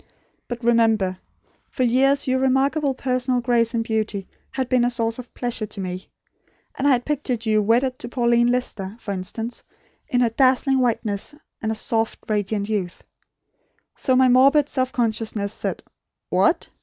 But remember, for years, your remarkable personal grace and beauty had been a source of pleasure to me; and I had pictured you wedded to Pauline Lister, for instance, in her dazzling whiteness, and soft radiant youth. So my morbid self consciousness said: 'What!